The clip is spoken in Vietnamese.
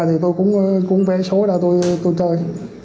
thì tôi cũng vẽ số ra tôi chơi